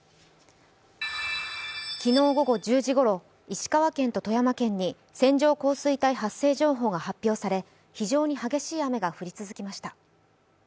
昨日午後、１０時ごろ石川県富山県に線状降水帯発生情報が発表され非常に激しい雨が降り続きました。